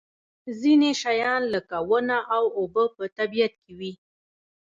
ځینې شیان لکه ونه او اوبه په طبیعت کې وي.